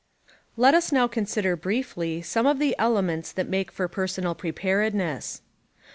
Let us now consider briefly some of the elements that make for personal preparedness.